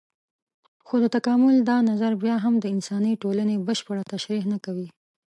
خو د تکامل دا نظر بيا هم د انساني ټولنې بشپړه تشرېح نه کوي.